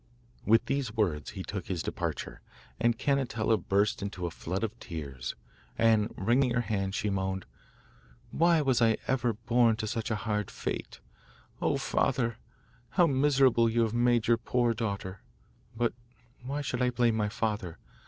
With these words he took his departure, and Cannetella burst into a flood of tears, and, wringing her hands, she moaned: 'Why was I ever born to such a hard fate? Oh! father, how miserable you have made your poor daughter! But, why should I blame my father?